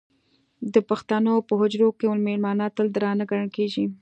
د پښتنو په حجرو کې مېلمانه تل درانه ګڼل کېږي.